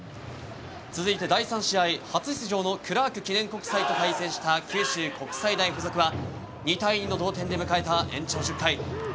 続いて、第３試合初出場のクラーク記念国際と対戦した九州国際大付属は２対２の同点で迎えた延長１０回。